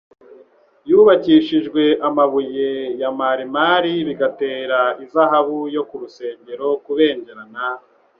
yubakishijwe amabuye ya Marimari bigatera izahabu yo ku rusengero kubengerana,